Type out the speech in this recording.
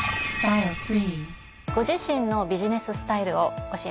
ご自身のビジネススタイルを教えてください。